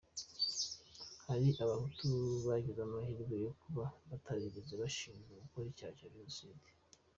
Hari abahutu bagize amahirwe yo kuba batarigeze bashinjwa gukora icyaha cya jenoside